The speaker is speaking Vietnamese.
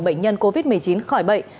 bệnh nhân covid một mươi chín khỏi bệnh